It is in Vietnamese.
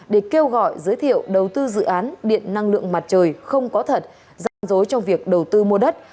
để kêu gọi giới thiệu đầu tư dự án điện năng lượng mặt trời không có thật gian dối trong việc đầu tư mua đất